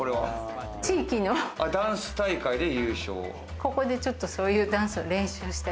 地域の、ここでちょっとそういうダンスの練習したり。